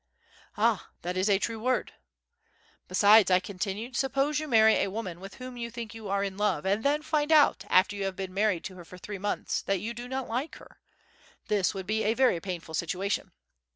"Ah! that is a true word." "Besides," I continued, "suppose you marry a woman with whom you think you are in love and then find out, after you have been married to her for three months, that you do not like her. This would be a very painful situation."